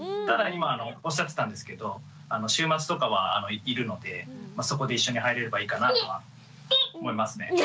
ただ今おっしゃってたんですけど週末とかはいるのでそこで一緒に入れればいいかなとは思いますね。